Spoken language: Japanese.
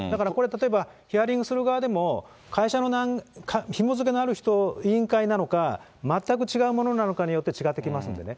例えばヒアリングする側でも、会社のひも付けのある委員会なのか、全く違うものなのかによって違ってきますんでね。